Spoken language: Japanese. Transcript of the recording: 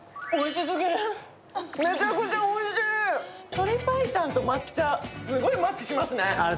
鶏白湯と抹茶、すごいマッチしますね。